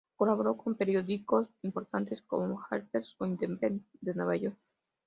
Colaboró con periódicos importantes, como "Harper's" o "Independent" de Nueva York.